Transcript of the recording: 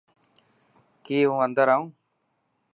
ڪي هون اندر آئون.